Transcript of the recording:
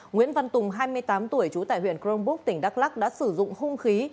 nguyễn văn tùng hai mươi tám tuổi trú tại huyện crongbuk tỉnh đắk lắc đã sử dụng hung khí